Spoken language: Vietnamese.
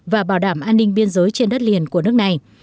và bảo đảm an ninh biên giới trên đất liền của nước này